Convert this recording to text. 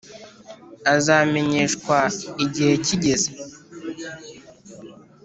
Azamenyeshwa igihe kigeze